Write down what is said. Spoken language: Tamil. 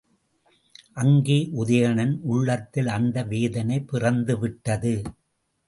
அங்கே உதயணன் உள்ளத்தில் அந்த வேதனை பிறந்துவிட்டது.